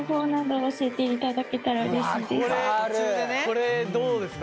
これどうですか？